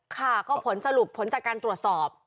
ค่ะก็ผลสรุปผลจากการตรวจสอบ